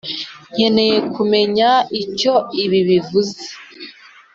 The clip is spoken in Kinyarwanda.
nkeneye kumenya icyo ibi bivuze.